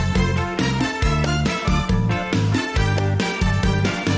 สวัสดีค่ะ